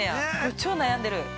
超悩んでる。